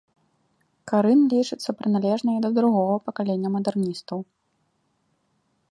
Карын лічыцца прыналежнай да другога пакалення мадэрністаў.